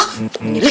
ya udah deh bik